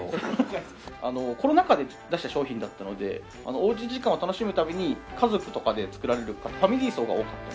コロナ禍で出した商品だったのでおうち時間を楽しむために家族とかで作られる方ファミリー層が多かったり。